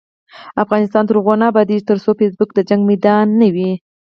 افغانستان تر هغو نه ابادیږي، ترڅو فیسبوک د جنګ میدان نه وي.